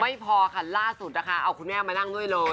ไม่พอค่ะล่าสุดนะคะเอาคุณแม่มานั่งด้วยเลย